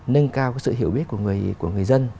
nâng cao sự hiểu biết của người dân